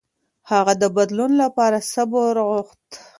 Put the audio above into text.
هغه د بدلون لپاره صبر غوښت.